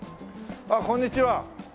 あっこんにちは。